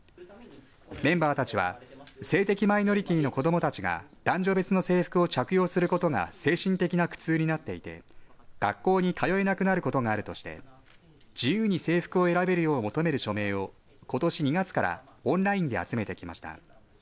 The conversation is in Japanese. メンバーたちは性的マイノリティーの子どもたちが男女別の制服を着用することが精神的な苦痛になっていて学校に通えなくなることがあるとして自由に制服を選べるよう求める署名をことし２月からオンラインで集めてきました。